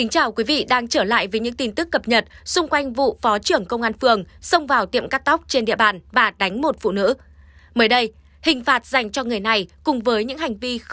hãy đăng ký kênh để ủng hộ kênh của chúng mình nhé